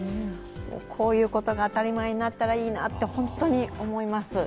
こういうことが当たり前になったらいいなって、本当に思います。